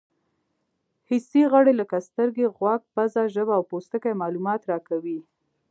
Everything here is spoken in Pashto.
حسي غړي لکه سترګې، غوږ، پزه، ژبه او پوستکی معلومات راکوي.